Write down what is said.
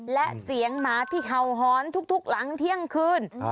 และเสียงหมาที่เห่าหอนทุกหลังเที่ยงคืน